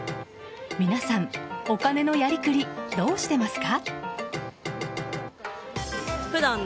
皆さん、お金のやりくりどうしてますか？